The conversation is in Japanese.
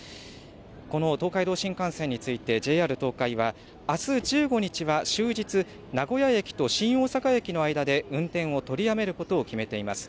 この東海道新幹線について、ＪＲ東海は、あす１５日は終日、名古屋駅と新大阪駅の間で運転を取りやめることを決めています。